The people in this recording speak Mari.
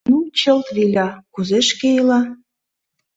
Ну, чылт виля, кузе шке ила?